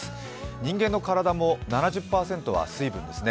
人間の体も７０％は水分ですね。